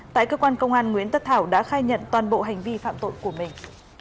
tại cơ quan công an nguyễn tất thảo đã khai nhận toàn bộ hành vi phạm tội của mình